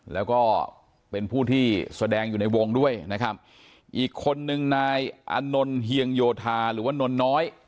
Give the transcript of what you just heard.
แล้วก็เป็นผู้ที่แสดงอยู่ในวงด้วยนะครับอีกคนนึงนายอานนท์เฮียงโยธาหรือว่านนน้อย